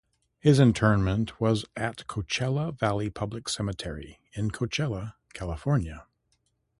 His interment was at Coachella Valley Public Cemetery in Coachella, California.